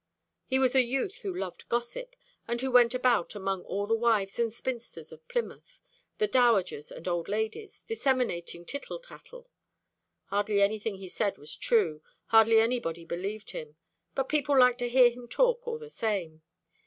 He was a youth who loved gossip, and who went about among all the wives and spinsters of Plymouth, the dowagers and old ladies, disseminating tittle tattle. Hardly anything he said was true, hardly anybody believed him; but people liked to hear him talk all the same.